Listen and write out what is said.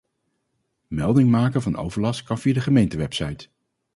Melding maken van overlast kan via de gemeentewebsite.